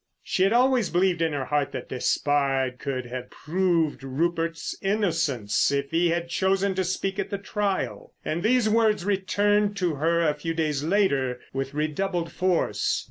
She had always believed in her heart that Despard could have proved Rupert's innocence if he had chosen to speak at the trial. And these words returned to her a few days later with redoubled force.